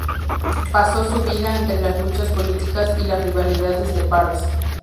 Pasó su vida entre las luchas políticas y las rivalidades de Paros.